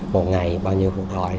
một ngày bao nhiêu cuộc gọi